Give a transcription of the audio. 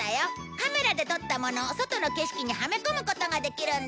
カメラで撮ったものを外の景色にはめ込むことができるんだ